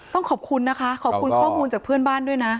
ต้องขอบคุณนะคะขอบคุณข้อมูลจากเพื่อนบ้านด้วยนะ